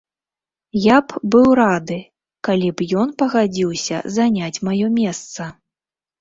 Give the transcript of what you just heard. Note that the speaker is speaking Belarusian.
Я б быў рады, калі б ён пагадзіўся заняць маё месца.